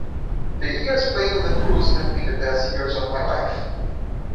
The years playing with the Trews have been best years of my life.